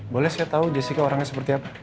boleh saya tahu jessica orangnya seperti apa